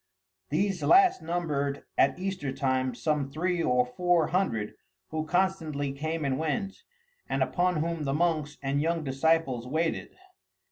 These last numbered, at Easter time, some three or four hundred, who constantly came and went, and upon whom the monks and young disciples waited.